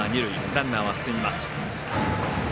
ランナーは進みます。